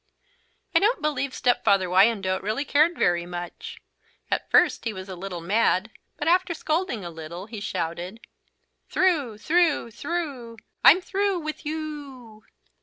I don't believe Step father Wyandotte really cared very much. At first he was a little mad but, after scolding a little, he shouted: "Through, through, through I'm through with yooooooouuu."